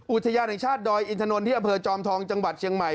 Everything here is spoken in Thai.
อุทยานแห่งชาติดอยอินทนนท์ที่อำเภอจอมทองจังหวัดเชียงใหม่